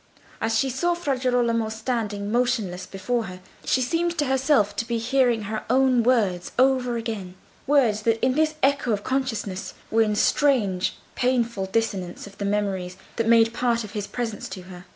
As she saw Fra Girolamo standing motionless before her, she seemed to herself to be hearing her own words over again; words that in this echo of consciousness were in strange, painful dissonance with the memories that made part of his presence to her.